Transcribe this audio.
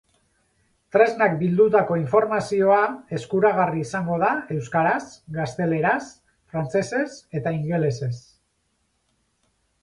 Tresnak bildutako informazioa eskuragarri izango da euskaraz, gazteleraz, frantsesez eta ingelesez.